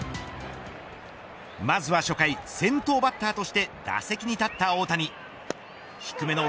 まずは初回先頭バッターとして打席に立った大谷。